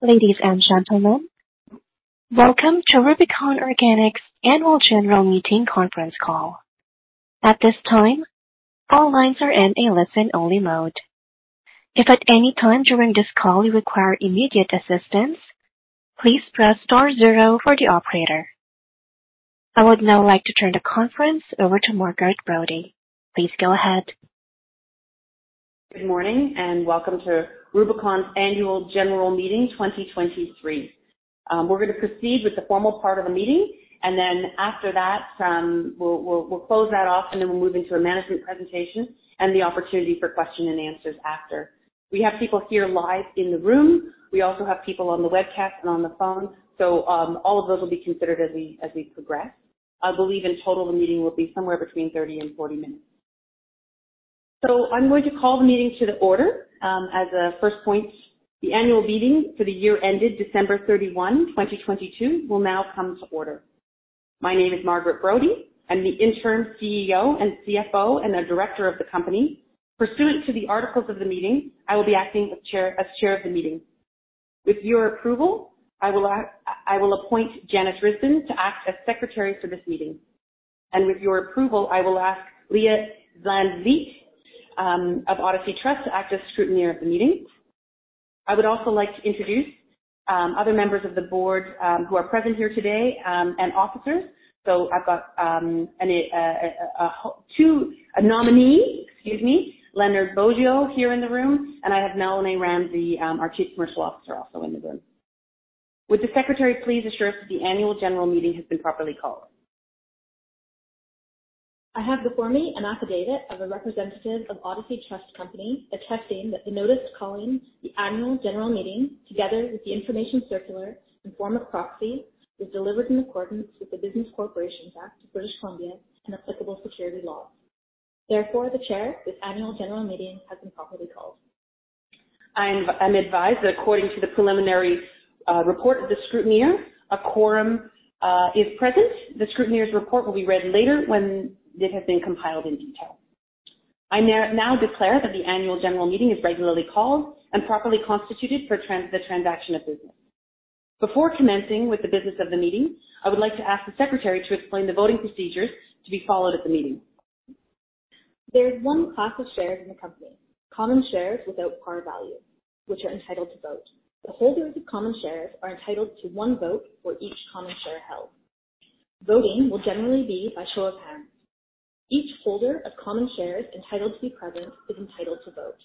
Ladies and gentlemen, welcome to Rubicon Organics Annual General Meeting conference call. At this time, all lines are in a listen-only mode. If at any time during this call you require immediate assistance, please press star zero for the operator. I would now like to turn the conference over to Margaret Brodie. Please go ahead. Good morning, and welcome to Rubicon's Annual General Meeting 2023. We're going to proceed with the formal part of the meeting, and then after that, we'll close that off, and then we'll move into a management presentation and the opportunity for question and answers after. We have people here live in the room. We also have people on the webcast and on the phone, so, all of those will be considered as we progress. I believe in total, the meeting will be somewhere between 30 and 40 minutes. So I'm going to call the meeting to order. As a first point, the annual meeting for the year ended December 31, 2022, will now come to order. My name is Margaret Brodie. I'm the Interim CEO and CFO, and a director of the company. Pursuant to the articles of the meeting, I will be acting as chair, as chair of the meeting. With your approval, I will appoint Janis Risbin to act as secretary for this meeting. And with your approval, I will ask Leah Zlancic of Odyssey Trust to act as scrutineer at the meeting. I would also like to introduce other members of the board who are present here today and officers. So I've got two nominees, excuse me, Lenard Boggio, here in the room, and I have Melanie Ramsey, our Chief Commercial Officer, also in the room. Would the secretary please assure us that the annual general meeting has been properly called? I have before me an affidavit of a representative of Odyssey Trust Company, attesting that the notice calling the annual general meeting, together with the information circular and form of proxy, was delivered in accordance with the Business Corporations Act of British Columbia and applicable security laws. Therefore, the Chair of this annual general meeting has been properly called. I'm advised that according to the preliminary report of the scrutineer, a quorum is present. The scrutineer's report will be read later when it has been compiled in detail. I now declare that the annual general meeting is regularly called and properly constituted for the transaction of business. Before commencing with the business of the meeting, I would like to ask the secretary to explain the voting procedures to be followed at the meeting. There is one class of shares in the company, common shares without par value, which are entitled to vote. The holders of common shares are entitled to one vote for each common share held. Voting will generally be by show of hands. Each holder of common shares entitled to be present, is entitled to vote.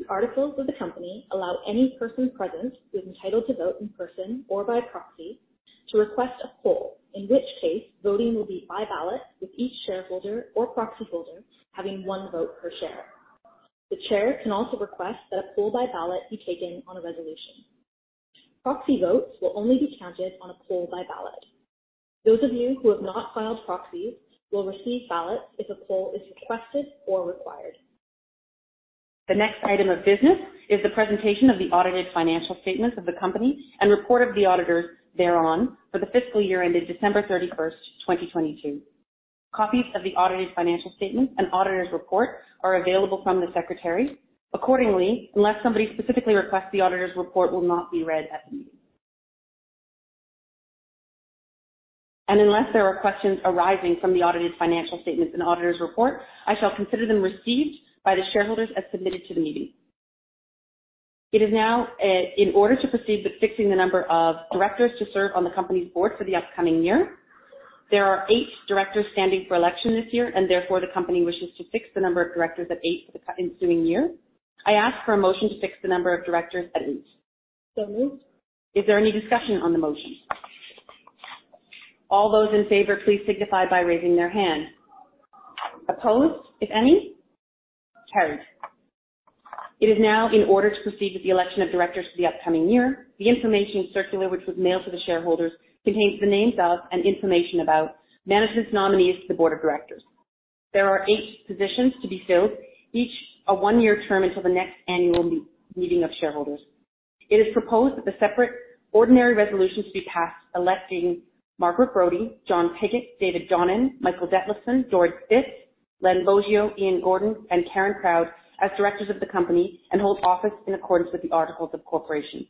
The articles of the company allow any person present, who is entitled to vote in person or by proxy, to request a poll, in which case voting will be by ballot, with each shareholder or proxy holder having one vote per share. The chair can also request that a poll by ballot be taken on a resolution. Proxy votes will only be counted on a poll by ballot. Those of you who have not filed proxies will receive ballots if a poll is requested or required. The next item of business is the presentation of the audited financial statements of the company and report of the auditors thereon for the fiscal year ended December 31, 2022. Copies of the audited financial statements and auditor's report are available from the secretary. Accordingly, unless somebody specifically requests, the auditor's report will not be read at the meeting. Unless there are questions arising from the audited financial statements and auditor's report, I shall consider them received by the shareholders as submitted to the meeting. It is now in order to proceed with fixing the number of directors to serve on the company's board for the upcoming year. There are eight directors standing for election this year, and therefore the company wishes to fix the number of directors at eight for the ensuing year. I ask for a motion to fix the number of directors at eight. So moved. Is there any discussion on the motion? All those in favor, please signify by raising their hand. Opposed, if any? Carried. It is now in order to proceed with the election of directors for the upcoming year. The information circular, which was mailed to the shareholders, contains the names of and information about management's nominees to the board of directors. There are eight positions to be filled, each a one-year term until the next annual meeting of shareholders. It is proposed that the separate ordinary resolutions be passed, electing Margaret Brodie, John Pigott, David Donnan, Michael Detlefsen, Doris Bitz, Len Boggio, Ian Gordon, and Karen Proud as directors of the company, and hold office in accordance with the articles of corporation.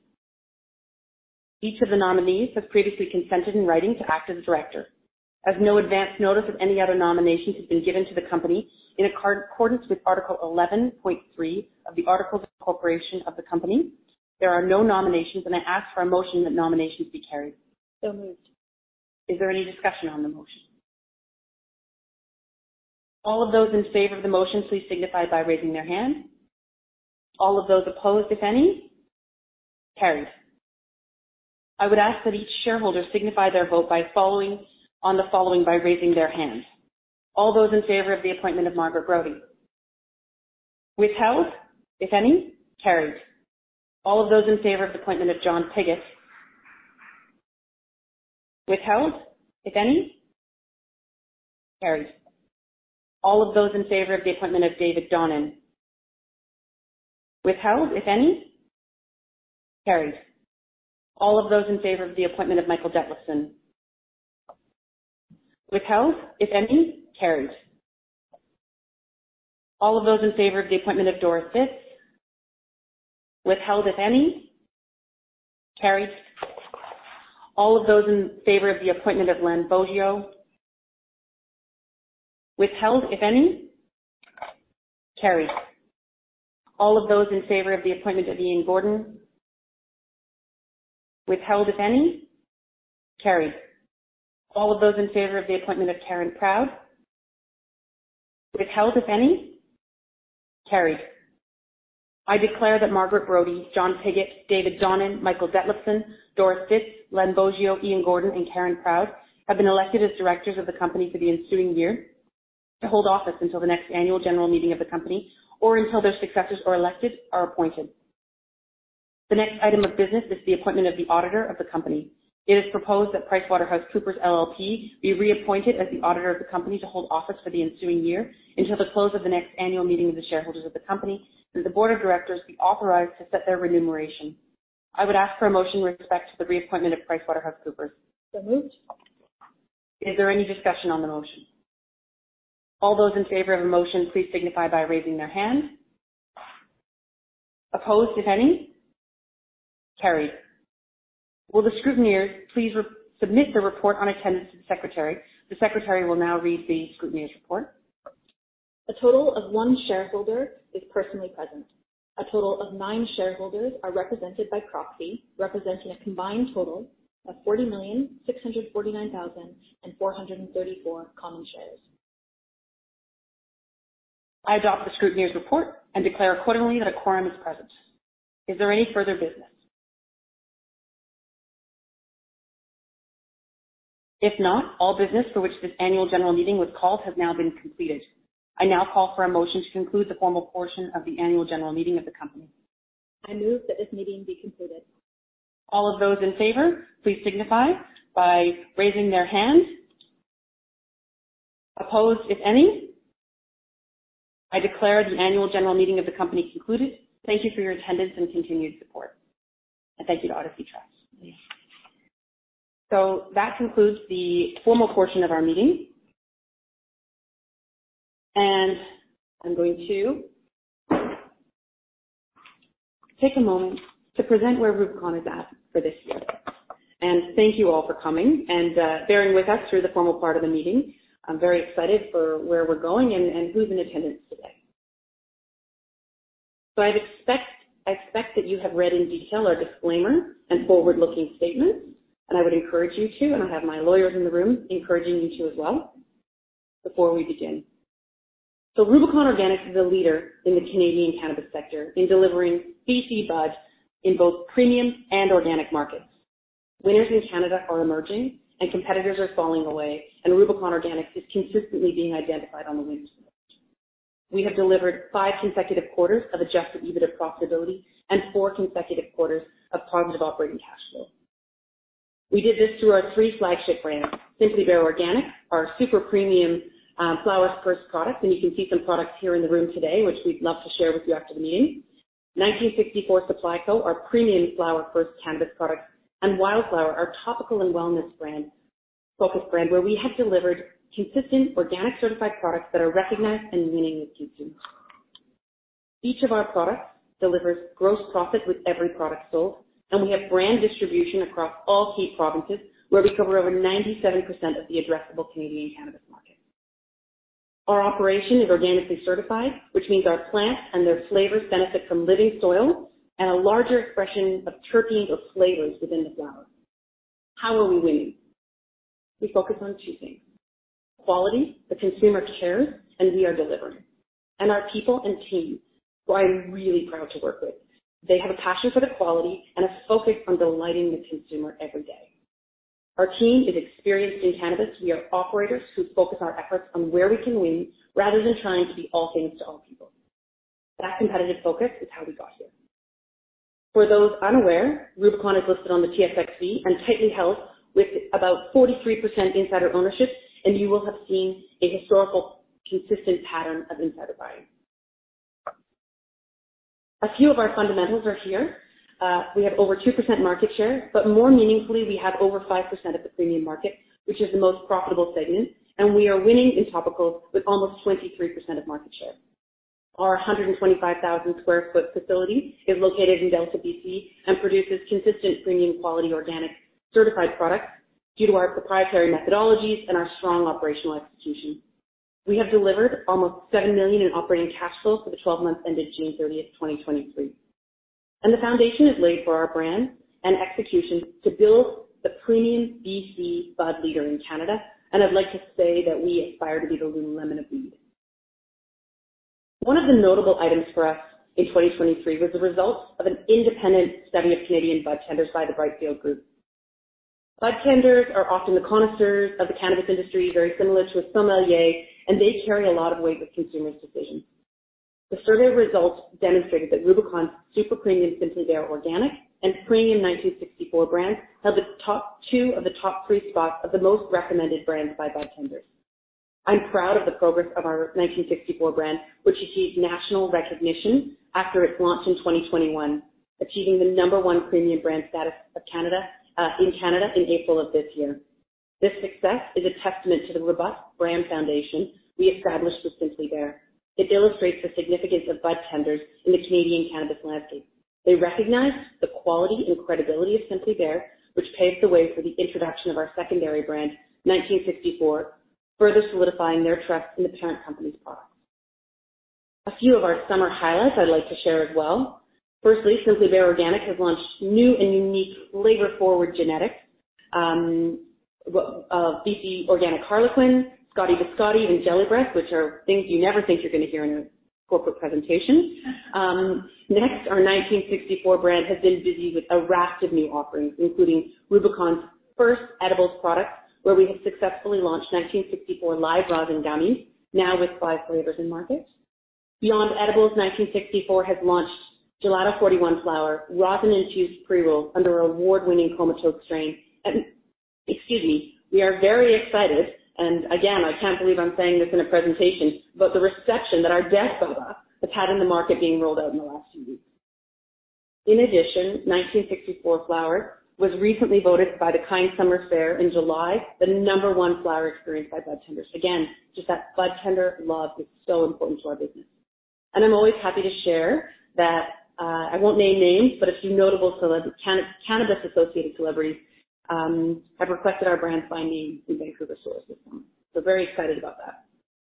Each of the nominees have previously consented in writing to act as a director. As no advance notice of any other nominations has been given to the company, in accordance with Article 11.3 of the Articles of Incorporation of the Company, there are no nominations, and I ask for a motion that nominations be carried. So moved. Is there any discussion on the motion? All of those in favor of the motion, please signify by raising their hand. All of those opposed, if any? Carried. I would ask that each shareholder signify their vote by following on the following by raising their hand. All those in favor of the appointment of Margaret Brodie. Withheld, if any? Carried. All of those in favor of the appointment of John Pigott. Withheld, if any? Carried. All of those in favor of the appointment of David Donnan. Withheld, if any? Carried. All of those in favor of the appointment of Michael Detlefsen. Withheld, if any? Carried. All of those in favor of the appointment of Doris Bitz. Withheld, if any? Carried. All of those in favor of the appointment of Len Boggio. Withheld, if any? Carried. All of those in favor of the appointment of Ian Gordon. Withheld, if any? Carried. All of those in favor of the appointment of Karen Proud. Withheld, if any? Carried. I declare that Margaret Brodie, John Pigott, David Donnan, Michael Detlefsen, Doris Bitz, Len Boggio, Ian Gordon, and Karen Proud have been elected as directors of the company for the ensuing year, to hold office until the next annual general meeting of the company or until their successors are elected, are appointed. The next item of business is the appointment of the auditor of the company. It is proposed that PricewaterhouseCoopers LLP be reappointed as the auditor of the company to hold office for the ensuing year until the close of the next annual meeting of the shareholders of the company, and the board of directors be authorized to set their remuneration. I would ask for a motion with respect to the reappointment of PricewaterhouseCoopers. So moved. Is there any discussion on the motion? All those in favor of the motion, please signify by raising their hand. Opposed, if any? Carried. Will the scrutineers please re-submit their report on attendance to the secretary? The secretary will now read the scrutineer's report. A total of 1 shareholder is personally present. A total of 9 shareholders are represented by proxy, representing a combined total of 40,649,434 common shares. I adopt the scrutineer's report and declare accordingly that a quorum is present. Is there any further business? If not, all business for which this annual general meeting was called have now been completed. I now call for a motion to conclude the formal portion of the annual general meeting of the company. I move that this meeting be concluded. All of those in favor, please signify by raising their hands. Opposed, if any? I declare the annual general meeting of the company concluded. Thank you for your attendance and continued support, and thank you to Odyssey Trust. So that concludes the formal portion of our meeting. And I'm going to take a moment to present where Rubicon is at for this year. And thank you all for coming and bearing with us through the formal part of the meeting. I'm very excited for where we're going and who's in attendance today. So I'd expect, I expect that you have read in detail our disclaimer and forward-looking statements, and I would encourage you to, and I have my lawyers in the room encouraging you to as well, before we begin. Rubicon Organics is a leader in the Canadian cannabis sector in delivering BC bud in both premium and organic markets. Winners in Canada are emerging and competitors are falling away, and Rubicon Organics is consistently being identified on the winners. We have delivered five consecutive quarters of Adjusted EBITDA profitability and four consecutive quarters of positive operating cash flow. We did this through our three flagship brands, Simply Bare Organic, our super premium, flower-first product, and you can see some products here in the room today, which we'd love to share with you after the meeting. 1964 Supply Co, our premium flower-first cannabis product, and Wildflower, our topical and wellness brand, focused brand, where we have delivered consistent organic certified products that are recognized and meaningful to consumers. Each of our products delivers gross profit with every product sold, and we have brand distribution across all key provinces, where we cover over 97% of the addressable Canadian cannabis market. Our operation is organically certified, which means our plants and their flavors benefit from living soil and a larger expression of terpenes or flavors within the flower. How are we winning? We focus on choosing. Quality, the consumer cares, and we are delivering. And our people and team, who I'm really proud to work with, they have a passion for the quality and a focus on delighting the consumer every day. Our team is experienced in cannabis. We are operators who focus our efforts on where we can win rather than trying to be all things to all people. That competitive focus is how we got here. For those unaware, Rubicon is listed on the TSXV and tightly held with about 43% insider ownership, and you will have seen a historical, consistent pattern of insider buying. A few of our fundamentals are here. We have over 2% market share, but more meaningfully, we have over 5% of the premium market, which is the most profitable segment, and we are winning in topicals with almost 23% of market share. Our 125,000 sq ft facility is located in Delta, BC, and produces consistent, premium, quality, organic, certified products due to our proprietary methodologies and our strong operational execution. We have delivered almost 7 million in operating cash flow for the twelve months ended June 30, 2023. And the foundation is laid for our brand and execution to build the premium BC bud leader in Canada. I'd like to say that we aspire to be the lululemon of weed. One of the notable items for us in 2023 was the results of an independent study of Canadian budtenders by the Brightfield Group. Budtenders are often the connoisseurs of the cannabis industry, very similar to a sommelier, and they carry a lot of weight with consumers' decisions. The survey results demonstrated that Rubicon's super premium, Simply Bare Organic and premium 1964 brands, held the top two of the top three spots of the most recommended brands by budtenders. I'm proud of the progress of our 1964 brand, which achieved national recognition after its launch in 2021, achieving the number one premium brand status of Canada, in Canada in April of this year. This success is a testament to the robust brand foundation we established with Simply Bare. It illustrates the significance of budtenders in the Canadian cannabis landscape. They recognize the quality and credibility of Simply Bare, which paves the way for the introduction of our secondary brand, 1964, further solidifying their trust in the parent company's products. A few of our summer highlights I'd like to share as well. Firstly, Simply Bare Organic has launched new and unique flavor-forward genetics, BC Organic Harlequin, Scotty the Scotty, and Jelly Breath, which are things you never think you're going to hear in a corporate presentation. Next, our 1964 brand has been busy with a raft of new offerings, including Rubicon's first edibles products, where we have successfully launched 1964 live rosin gummies, now with five flavors in market. Beyond edibles, 1964 has launched Gelato 41 flower, rosin, and juice pre-roll under our award-winning comatose strain. Excuse me, we are very excited, and again, I can't believe I'm saying this in a presentation, but the reception that our Death Soda has had in the market being rolled out in the last few weeks. In addition, 1964 flower was recently voted by the KIND Summer Fair in July, the number one flower experience by budtenders. Again, just that budtender love is so important to our business. And I'm always happy to share that, I won't name names, but a few notable celebrity cannabis-associated celebrities have requested our brand by name in Vancouver store system. So very excited about that.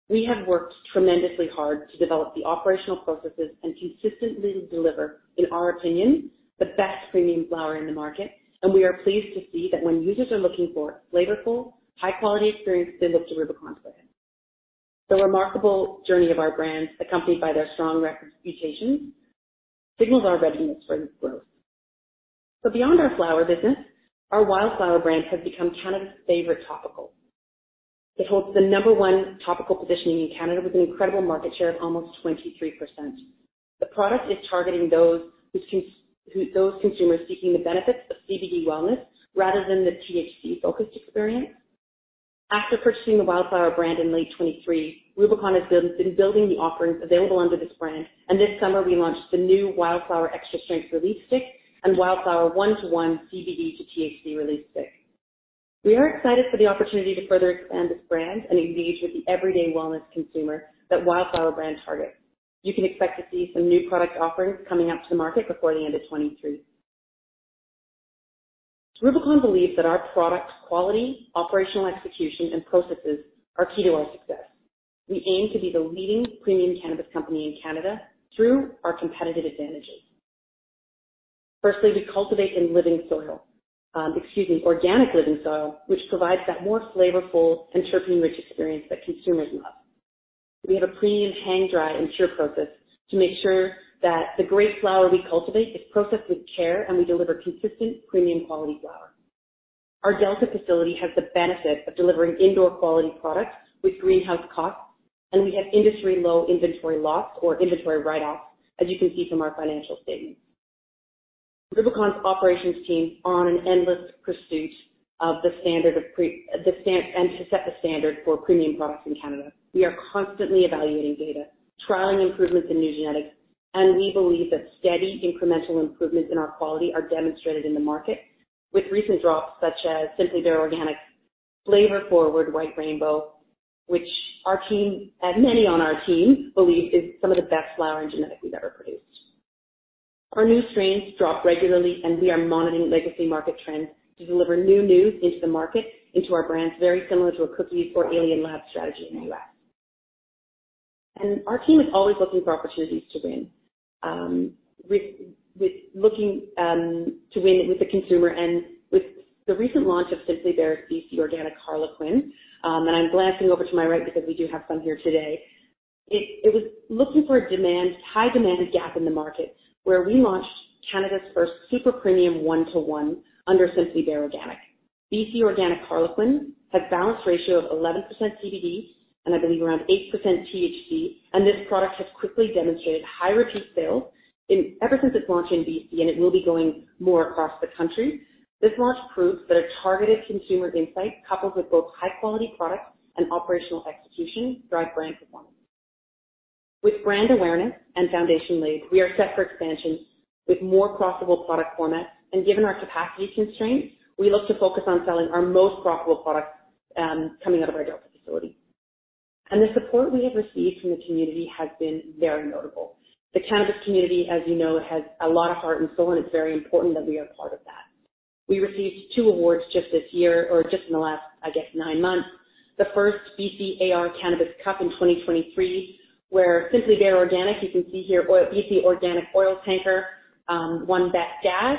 We have worked tremendously hard to develop the operational processes and consistently deliver, in our opinion, the best premium flower in the market, and we are pleased to see that when users are looking for flavorful, high-quality experience, they look to Rubicon's brand. The remarkable journey of our brands, accompanied by their strong reputations, signals our readiness for growth. So beyond our flower business, our Wildflower brand has become Canada's favorite topical. It holds the number one topical positioning in Canada with an incredible market share of almost 23%. The product is targeting those consumers seeking the benefits of CBD wellness rather than the THC-focused experience. After purchasing the Wildflower brand in late 2023, Rubicon has been building the offerings available under this brand, and this summer we launched the new Wildflower Extra Strength Relief Stick and Wildflower One-to-One CBD to THC Relief Stick. We are excited for the opportunity to further expand this brand and engage with the everyday wellness consumer that Wildflower brand targets. You can expect to see some new product offerings coming out to the market before the end of 2023. Rubicon believes that our products, quality, operational execution, and processes are key to our success. We aim to be the leading premium cannabis company in Canada through our competitive advantages. Firstly, we cultivate in living soil, excuse me, organic living soil, which provides that more flavorful and terpene-rich experience that consumers love. We have a premium hang, dry, and cure process to make sure that the great flower we cultivate is processed with care, and we deliver consistent, premium-quality flower. Our Delta facility has the benefit of delivering indoor quality products with greenhouse costs, and we have industry-low inventory loss or inventory write-offs, as you can see from our financial statements. Rubicon's operations team on an endless pursuit of the standard, and to set the standard for premium products in Canada. We are constantly evaluating data, trialing improvements in new genetics, and we believe that steady incremental improvements in our quality are demonstrated in the market with recent drops such as Simply Bare Organic Flavor Forward White Rainbow, which our team and many on our team believe is some of the best flower and genetics we've ever produced. Our new strains drop regularly, and we are monitoring legacy market trends to deliver new news into the market, into our brands, very similar to a Cookies or Alien Labs strategy in the U.S. Our team is always looking for opportunities to win, with looking to win with the consumer and with the recent launch of Simply Bare BC Organic Harlequin, and I'm glancing over to my right because we do have some here today. It was looking for a demand, high demanded gap in the market where we launched Canada's first super premium one-to-one under Simply Bare Organic. BC Organic Harlequin has a balanced ratio of 11% CBD and I believe around 8% THC, and this product has quickly demonstrated high repeat sales ever since its launch in BC, and it will be going more across the country. This launch proves that a targeted consumer insight, coupled with both high-quality products and operational execution, drive brand performance. With brand awareness and foundation laid, we are set for expansion with more profitable product formats, and given our capacity constraints, we look to focus on selling our most profitable products, coming out of our Delta facility. The support we have received from the community has been very notable. The cannabis community, as, has a lot of heart and soul, and it's very important that we are part of that. We received two awards just this year, or just in the last, I guess, nine months. The first BCAR Cannabis Cup in 2023, where Simply Bare Organic, you can see here, oil, BC Organic Oil Tanker, won best gas,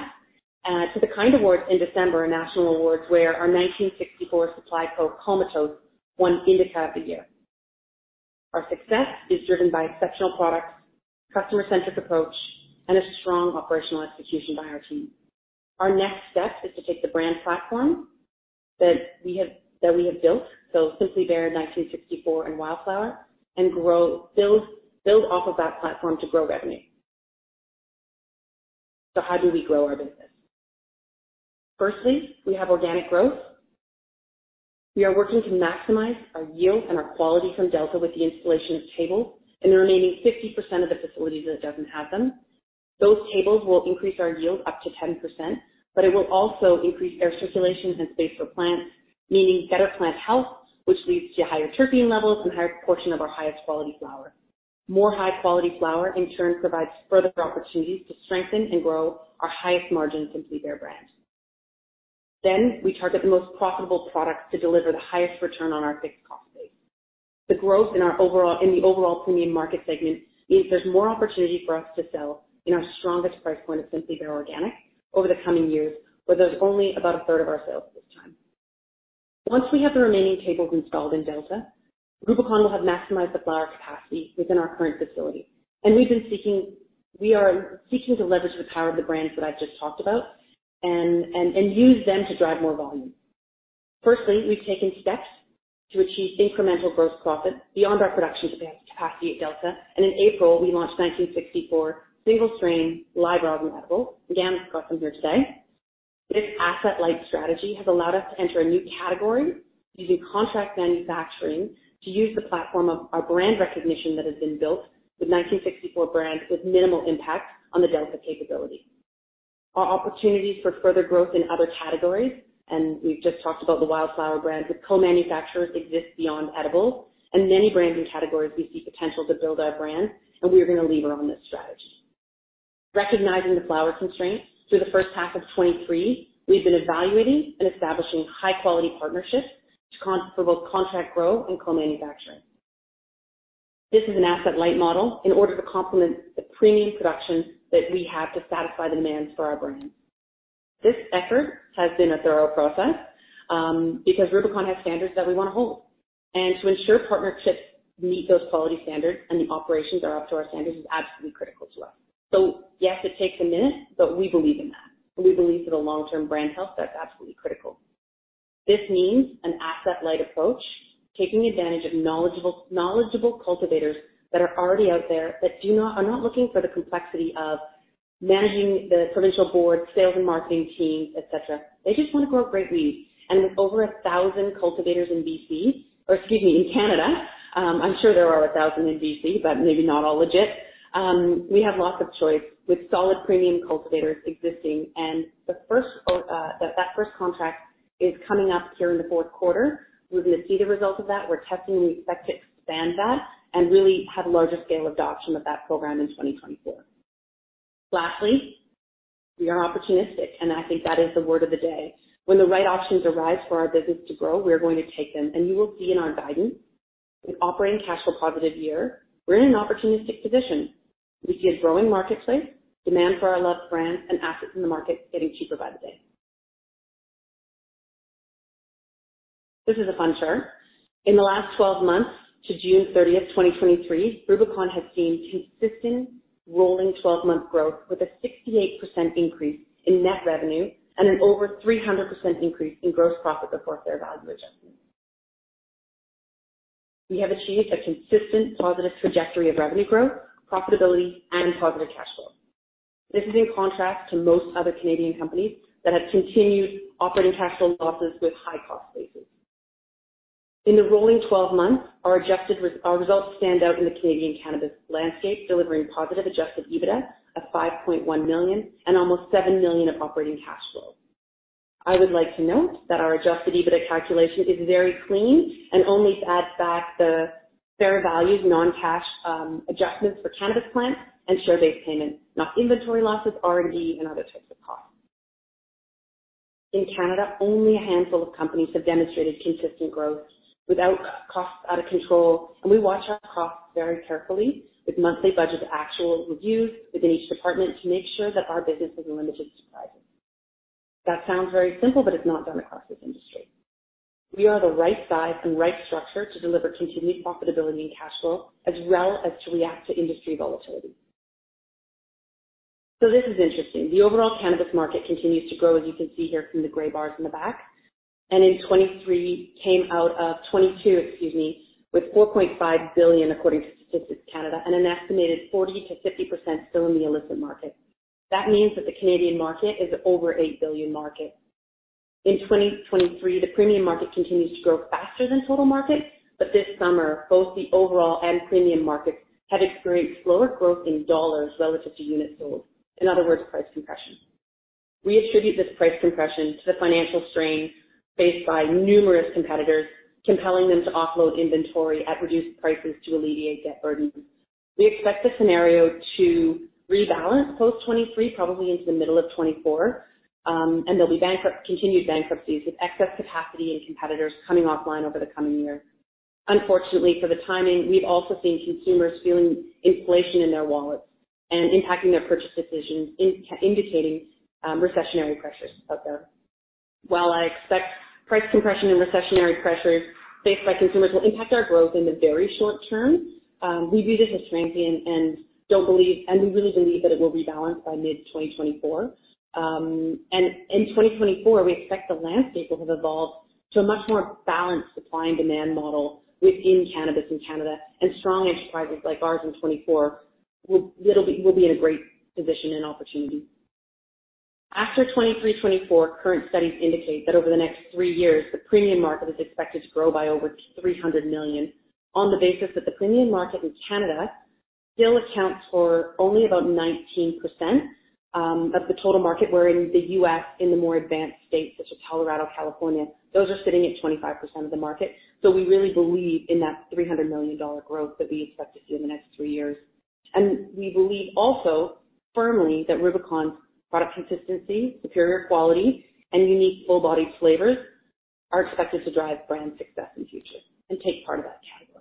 to the KIND Awards in December, a national awards, where our 1964 Supply Co, Comatose, won Indica of the Year. Our success is driven by exceptional products, customer-centric approach, and a strong operational execution by our team. Our next step is to take the brand platform that we have, that we have built, so Simply Bare, 1964, and Wildflower, and grow, build, build off of that platform to grow revenue.... So how do we grow our business? Firstly, we have organic growth. We are working to maximize our yield and our quality from Delta with the installation of tables in the remaining 50% of the facilities that doesn't have them. Those tables will increase our yield up to 10%, but it will also increase air circulation and space for plants, meaning better plant health, which leads to higher terpene levels and higher portion of our highest quality flower. More high-quality flower, in turn, provides further opportunities to strengthen and grow our highest margin Simply Bare brand. Then we target the most profitable products to deliver the highest return on our fixed cost base. The growth in our overall, in the overall premium market segment, means there's more opportunity for us to sell in our strongest price point of Simply Bare Organic over the coming years, where there's only about a third of our sales this time. Once we have the remaining tables installed in Delta, Rubicon will have maximized the flower capacity within our current facility, and we've been seeking... We are seeking to leverage the power of the brands that I've just talked about and use them to drive more volume. Firstly, we've taken steps to achieve incremental gross profit beyond our production capacity at Delta, and in April, we launched 1964 single-strain live resin edible. Again, it's got some here today. This asset-light strategy has allowed us to enter a new category using contract manufacturing to use the platform of our brand recognition that has been built with 1964 brands, with minimal impact on the Delta capability. Our opportunities for further growth in other categories, and we've just talked about the Wildflower brand, with co-manufacturers exist beyond edibles and many brands and categories we see potential to build our brand, and we are going to leverage on this strategy. Recognizing the flower constraints through the first half of 2023, we've been evaluating and establishing high-quality partnerships to contract for both contract growth and co-manufacturing. This is an asset-light model in order to complement the premium production that we have to satisfy the demands for our brand. This effort has been a thorough process, because Rubicon has standards that we want to hold, and to ensure partnerships meet those quality standards and the operations are up to our standards is absolutely critical to us. So yes, it takes a minute, but we believe in that, and we believe that the long-term brand health, that's absolutely critical. This means an asset-light approach, taking advantage of knowledgeable cultivators that are already out there are not looking for the complexity of managing the provincial board, sales and marketing teams, et cetera. They just want to grow great weed. With over 1,000 cultivators in BC, or excuse me, in Canada, I'm sure there are 1,000 in BC, but maybe not all legit. We have lots of choice with solid premium cultivators existing. The first contract is coming up here in the Q4. We'll be able to see the results of that. We're testing, and we expect to expand that and really have a larger scale adoption of that program in 2024. Lastly, we are opportunistic, and I think that is the word of the day. When the right options arise for our business to grow, we are going to take them, and you will see in our guidance, an operating cash flow positive year. We're in an opportunistic position. We see a growing marketplace, demand for our loved brands and assets in the market getting cheaper by the day. This is a fun chart. In the last 12 months to June 30, 2023, Rubicon has seen consistent rolling 12-month growth, with a 68% increase in net revenue and an over 300% increase in gross profit before fair value adjustments. We have achieved a consistent positive trajectory of revenue growth, profitability, and positive cash flow. This is in contrast to most other Canadian companies that have continued operating cash flow losses with high cost bases. In the rolling twelve months, our adjusted, our results stand out in the Canadian cannabis landscape, delivering positive Adjusted EBITDA of 5.1 million and almost 7 million of operating cash flow. I would like to note that our Adjusted EBITDA calculation is very clean and only adds back the fair values, non-cash, adjustments for cannabis plants and share-based payments, not inventory losses, R&D, and other types of costs. In Canada, only a handful of companies have demonstrated consistent growth without costs out of control, and we watch our costs very carefully with monthly budget actual reviews within each department to make sure that our business is limited to surprises. That sounds very simple, but it's not done across this industry. We are the right size and right structure to deliver continued profitability and cash flow, as well as to react to industry volatility. So this is interesting. The overall cannabis market continues to grow, as you can see here from the gray bars in the back, and in 2023 came out of 2022, excuse me, with 4.5 billion, according to Statistics Canada, and an estimated 40%-50% still in the illicit market. That means that the Canadian market is over 8 billion market. In 2023, the premium market continues to grow faster than total markets, but this summer, both the overall and premium markets had experienced lower growth in dollars relative to units sold. In other words, price compression. We attribute this price compression to the financial strain faced by numerous competitors, compelling them to offload inventory at reduced prices to alleviate debt burdens. We expect the scenario to rebalance post-2023, probably into the middle of 2024, and there'll be bankrupt... Continued bankruptcies, with excess capacity and competitors coming offline over the coming year. Unfortunately, for the timing, we've also seen consumers feeling inflation in their wallets and impacting their purchase decisions, indicating recessionary pressures out there. While I expect price compression and recessionary pressures faced by consumers will impact our growth in the very short term, we view this as transient and don't believe... and we really believe that it will rebalance by mid-2024. And in 2024, we expect the landscape will have evolved. So a much more balanced supply and demand model within cannabis in Canada and strong enterprises like ours in 2024 will, it'll be, will be in a great position and opportunity. After 2023, 2024, current studies indicate that over the next three years, the premium market is expected to grow by over 300 million on the basis that the premium market in Canada still accounts for only about 19%, of the total market, wherein the U.S., in the more advanced states such as Colorado, California, those are sitting at 25% of the market. So we really believe in that 300 million dollar growth that we expect to see in the next three years. And we believe also firmly that Rubicon's product consistency, superior quality, and unique full-bodied flavors are expected to drive brand success in future and take part of that category.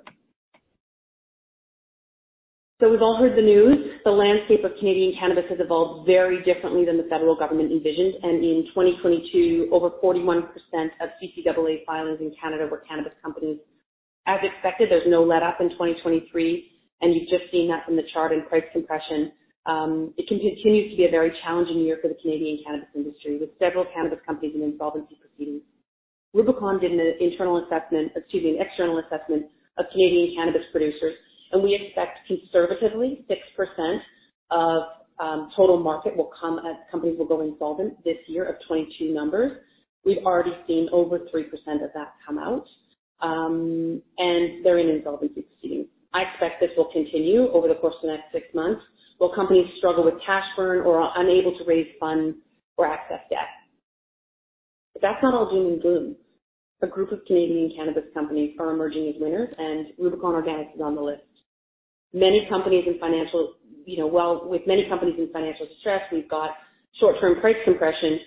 So we've all heard the news. The landscape of Canadian cannabis has evolved very differently than the federal government envisioned, and in 2022, over 41% of CCAA filings in Canada were cannabis companies. As expected, there's no letup in 2023, and you've just seen that from the chart in price compression. It continues to be a very challenging year for the Canadian cannabis industry, with several cannabis companies in insolvency proceedings. Rubicon did an internal assessment, excuse me, an external assessment of Canadian cannabis producers, and we expect conservatively, 6% of total market will come as companies will go insolvent this year of 2022 numbers. We've already seen over 3% of that come out, and they're in insolvency proceedings. I expect this will continue over the course of the next six months, while companies struggle with cash burn or are unable to raise funds or access debt. But that's not all doom and gloom. A group of Canadian cannabis companies are emerging as winners, and Rubicon Organics is on the list. Many companies in financial,, well, with many companies in financial stress, we've got short-term price compression.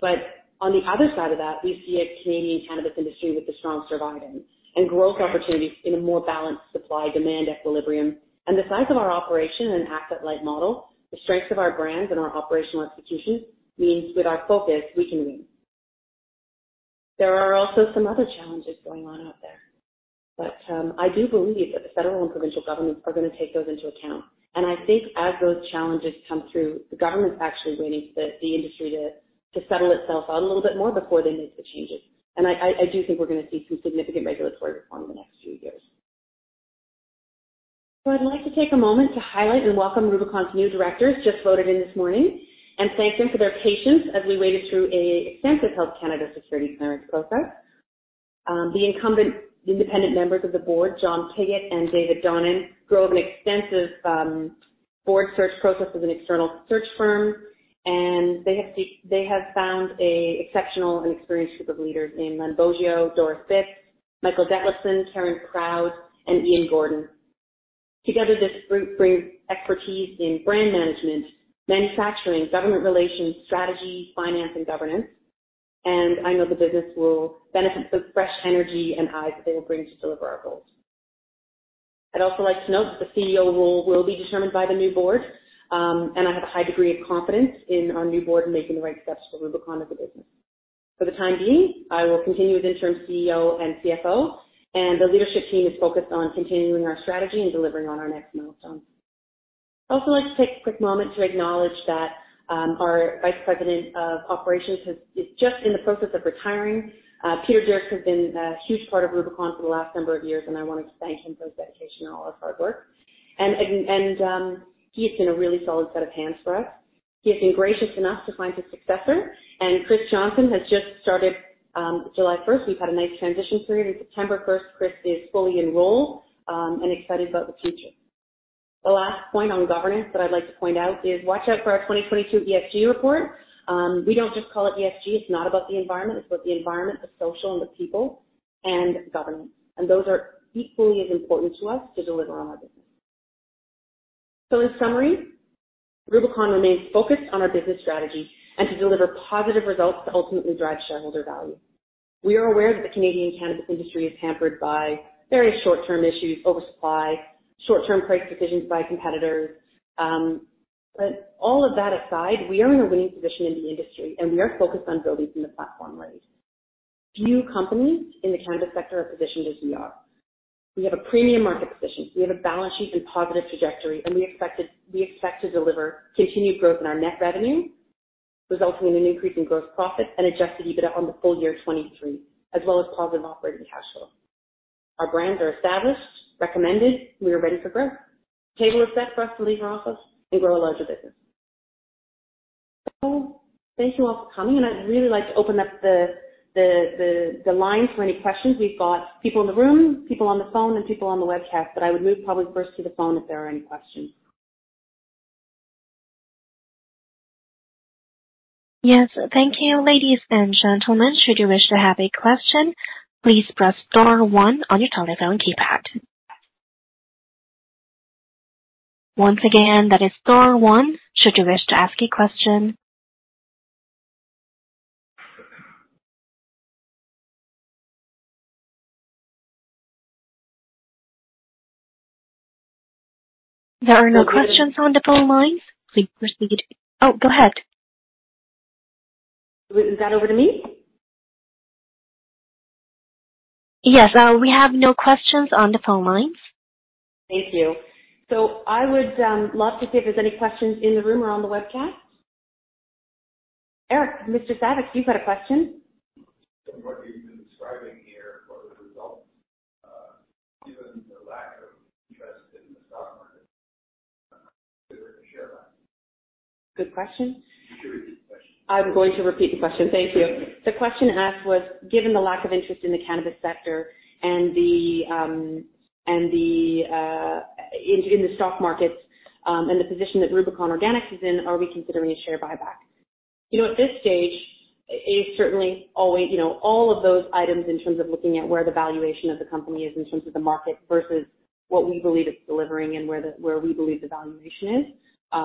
But on the other side of that, we see a Canadian cannabis industry with a strong surviving and growth opportunities in a more balanced supply-demand equilibrium. And the size of our operation and asset-light model, the strength of our brands and our operational execution, means with our focus, we can win. There are also some other challenges going on out there, but, I do believe that the federal and provincial governments are going to take those into account. And I think as those challenges come through, the government's actually waiting for the industry to settle itself out a little bit more before they make the changes. I do think we're going to see some significant regulatory reform in the next few years. So I'd like to take a moment to highlight and welcome Rubicon's new directors, just voted in this morning, and thank them for their patience as we waited through an extensive Health Canada security clearance process. The incumbent independent members of the board, John Pigott and David Donnan, drove an extensive board search process with an external search firm, and they have found an exceptional and experienced group of leaders named Len Boggio, Doris Bitz, Michael Detlefsen, Karen Proud, and Ian Gordon. Together, this group brings expertise in brand management, manufacturing, government relations, strategy, finance, and governance, and I know the business will benefit the fresh energy and eyes that they will bring to deliver our goals. I'd also like to note that the CEO role will be determined by the new board, and I have a high degree of confidence in our new board making the right steps for Rubicon as a business. For the time being, I will continue as interim CEO and CFO, and the leadership team is focused on continuing our strategy and delivering on our next milestones. I'd also like to take a quick moment to acknowledge that our Vice President of Operations is just in the process of retiring. Peter Doerksen has been a huge part of Rubicon for the last number of years, and I wanted to thank him for his dedication and all his hard work. And he has been a really solid set of hands for us. He has been gracious enough to find his successor, and Chris Johnson has just started July first. We've had a nice transition period, and September first, Chris is fully enrolled and excited about the future. The last point on governance that I'd like to point out is watch out for our 2022 ESG report. We don't just call it ESG. It's not about the environment. It's about the environment, the social and the people, and governance. Those are equally as important to us to deliver on our business. So in summary, Rubicon remains focused on our business strategy and to deliver positive results to ultimately drive shareholder value. We are aware that the Canadian cannabis industry is hampered by very short-term issues, oversupply, short-term price decisions by competitors. But all of that aside, we are in a winning position in the industry, and we are focused on building the platform right. Few companies in the cannabis sector are positioned as we are. We have a premium market position, we have a balance sheet and positive trajectory, and we expect to deliver continued growth in our net revenue, resulting in an increase in gross profit and Adjusted EBITDA on the full year 2023, as well as positive operating cash flow. Our brands are established, recommended, we are ready for growth. The table is set for us to leave our office and grow a larger business. So thank you all for coming, and I'd really like to open up the line for any questions. We've got people in the room, people on the phone, and people on the webcast, but I would move probably first to the phone if there are any questions. Yes, thank you. Ladies and gentlemen, should you wish to have a question, please press star one on your telephone keypad. Once again, that is star one, should you wish to ask a question. There are no questions on the phone lines. Please proceed. Oh, go ahead. Is that over to me?... Yes, we have no questions on the phone lines. Thank you. So I would love to see if there's any questions in the room or on the webcast. Eric, Mr. Savics, you've got a question. From what you've been describing here, what were the results, given the lack of interest in the stock market, considering the share buyback? Good question. You should repeat the question. I'm going to repeat the question. Thank you. The question asked was, given the lack of interest in the cannabis sector and the stock markets, and the position that Rubicon Organics is in, are we considering a share buyback?, at this stage, it certainly always,, all of those items in terms of looking at where the valuation of the company is, in terms of the market versus what we believe it's delivering and where we believe the valuation is,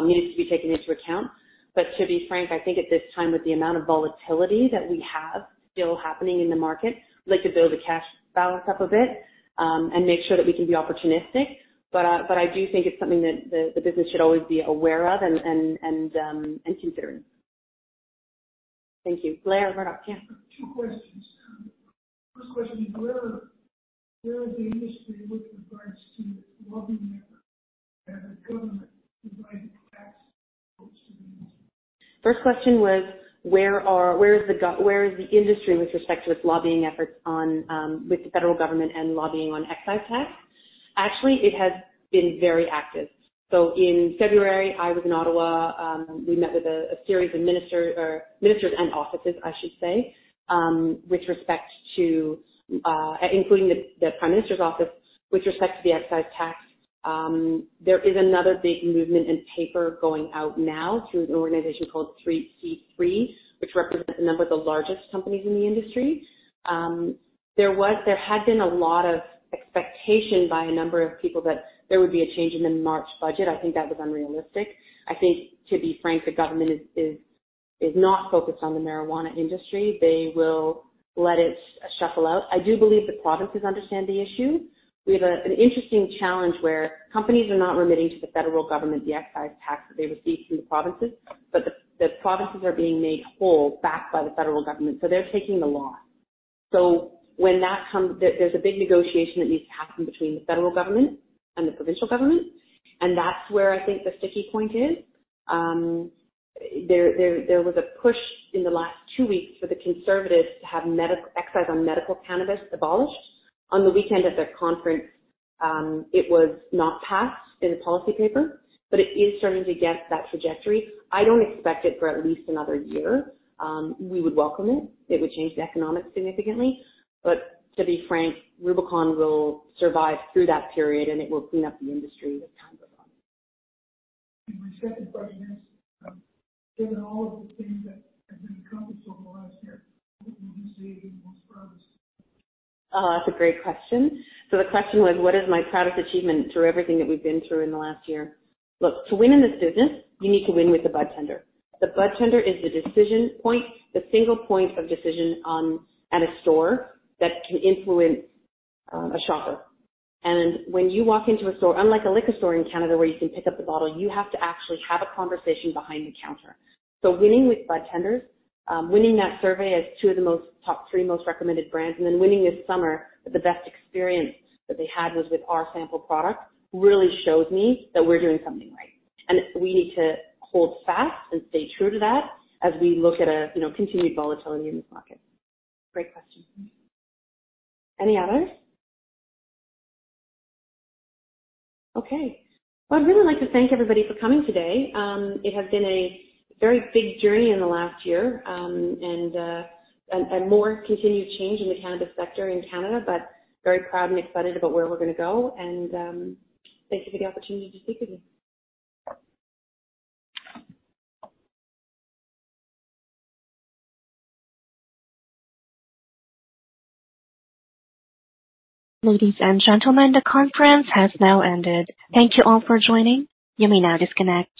needs to be taken into account. But to be frank, I think at this time, with the amount of volatility that we have still happening in the market, we'd like to build the cash balance up a bit, and make sure that we can be opportunistic. But I do think it's something that the business should always be aware of and considering. Thank you, Blair. Yeah. Two questions. First question, where is the industry with regards to lobbying efforts and the government providing tax approaches? First question was, where is the industry with respect to its lobbying efforts on, with the federal government and lobbying on excise tax? Actually, it has been very active. So in February, I was in Ottawa. We met with a series of ministers and offices, I should say, with respect to, including the Prime Minister's office, with respect to the excise tax. There is another big movement and paper going out now through an organization called C3, which represents a number of the largest companies in the industry. There had been a lot of expectation by a number of people that there would be a change in the March budget. I think that was unrealistic. I think, to be frank, the government is not focused on the marijuana industry. They will let it shuffle out. I do believe the provinces understand the issue. We have an interesting challenge where companies are not remitting to the federal government the excise tax that they receive from the provinces, but the provinces are being made whole, backed by the federal government. So they're taking the law. So when that comes, there's a big negotiation that needs to happen between the federal government and the provincial government, and that's where I think the sticky point is. There was a push in the last two weeks for the Conservatives to have medical excise on medical cannabis abolished. On the weekend at their conference, it was not passed in the policy paper, but it is starting to get that trajectory. I don't expect it for at least another year. We would welcome it. It would change the economics significantly, but to be frank, Rubicon will survive through that period, and it will clean up the industry as time goes on. My second question is, given all of the things that have been accomplished over the last year, what would you say is your most proudest? Oh, that's a great question. So the question was, what is my proudest achievement through everything that we've been through in the last year? Look, to win in this business, you need to win with the budtender. The budtender is the decision point, the single point of decision on, at a store that can influence, a shopper. And when you walk into a store, unlike a liquor store in Canada, where you can pick up the bottle, you have to actually have a conversation behind the counter. So winning with budtenders, winning that survey as two of the most, top three most recommended brands, and then winning this summer, with the best experience that they had was with our sample product, really shows me that we're doing something right. And we need to hold fast and stay true to that as we look at a,, continued volatility in this market. Great question. Any others? Okay. Well, I'd really like to thank everybody for coming today. It has been a very big journey in the last year, and more continued change in the cannabis sector in Canada, but very proud and excited about where we're going to go, and thank you for the opportunity to speak with you. Ladies and gentlemen, the conference has now ended. Thank you all for joining. You may now disconnect.